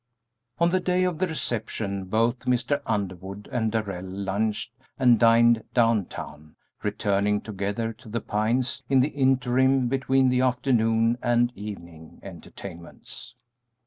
On the day of the reception both Mr. Underwood and Darrell lunched and dined down town, returning together to The Pines in the interim between the afternoon and evening entertainments.